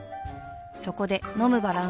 そこで飲むバランス栄養食